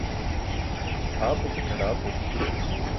Aapo ke tʰaḍaapo.